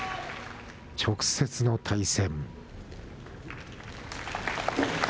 直接の対戦。